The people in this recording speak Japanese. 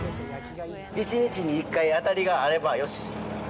１日に１回、当たりがあればよし。